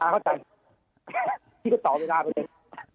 อ่าเข้าใจพี่ก็ตอบเวลากันเนี่ย